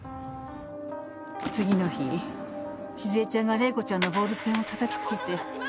次の日静江ちゃんが玲子ちゃんのボールペンをたたきつけて。